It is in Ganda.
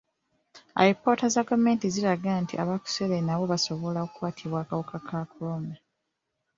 Alipoota za gavumenti ziraga nti abankuseere nabo basobola okukwatibwa akawuka ka kolona.